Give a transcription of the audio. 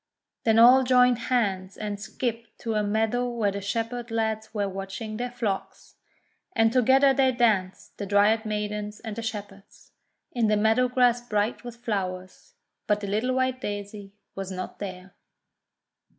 Then all joined hands, and skipped to a meadow where the Shepherd lads were watching their flocks. And together they danced, the Dryad Maidens and the Shepherds, in the meadow grass bright with flowers. But the little white Daisy was not there.